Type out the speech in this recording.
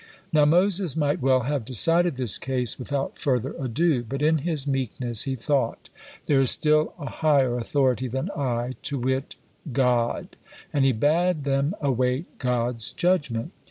Now Moses might well have decided this case without further ado, but in his meekness he thought, "There is still a higher authority than I, to wit, God," and he bade them await God's judgement.